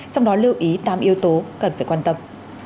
trong đó lưu ý tám yếu tố cần phải quan tâm